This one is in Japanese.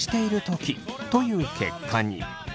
という結果に。